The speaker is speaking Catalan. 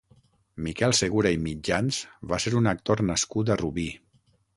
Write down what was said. Miquel Segura i Mitjans va ser un actor nascut a Rubí.